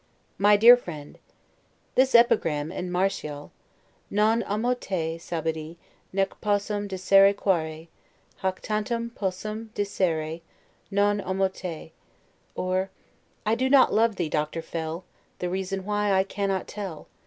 1751. MY DEAR FRIEND: This epigram in Martial "Non amo te, Sabidi, nec possum dicere quare; Hoc tantum possum dicere, non amo te" [OR: "I do not love thee Dr. Fell The reason why I cannot tell.